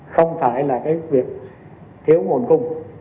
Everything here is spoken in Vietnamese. không phải là việc thiếu nguồn cung